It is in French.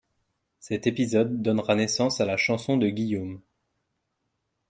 Cet épisode donnera naissance à la Chanson de Guillaume.